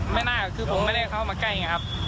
ไม่น่าคือผมไม่ได้เข้ามาใกล้ไงครับ